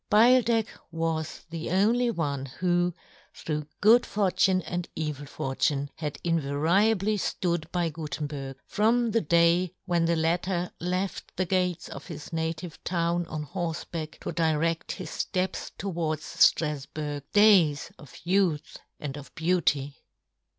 Beildech was the only one who, through good for tune and evil fortune, had invariably flood by ' Gutenberg, from the day when the latter left the gates of his native town on horfeback, to diredt his fteps towards Strafburg ; days of youth and of beauty.